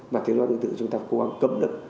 mà thuốc lá điện tử chúng ta cố gắng cấm lực